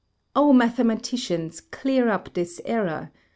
O mathematicians, clear up this error!